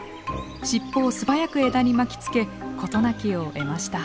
尻尾を素早く枝に巻きつけ事なきを得ました。